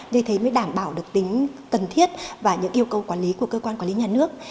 để thấy mới đảm bảo được tính cần thiết và những yêu cầu quản lý của cơ quan quản lý nhà nước